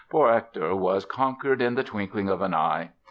Poor Hector was conquered in the twinkling of an eye.